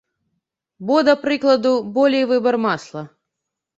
Бо, да прыкладу, болей выбар масла!